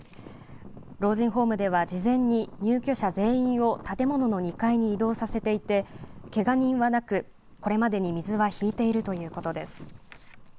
老人ホームでは事前に入居者全員を建物の２階に移動させていてけが人はなく、これまでに水は引いているということです。